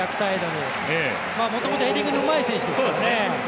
もともとヘディングのうまい選手ですからね。